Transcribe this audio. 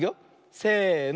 せの。